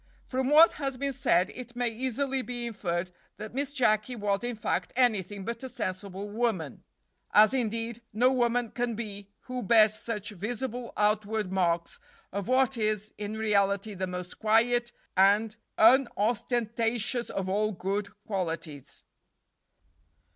From what has been said it may easily be inferred that Miss Jacky was, in fact, anything but a sensible woman, as, indeed, no woman can be who bears such visible outward marks of what is in reality the most quiet and unostentatious of all good qualities."